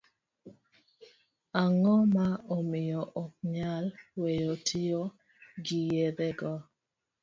Ang'o ma omiyo okonyal weyo tiyo gi yedhe go?